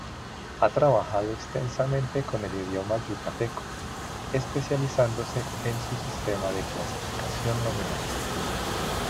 Ha trabajado extensamente con el idioma yucateco, especializándose en su sistema de clasificación nominal.